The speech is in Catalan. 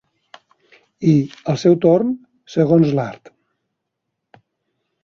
I, al seu torn, segons l'art.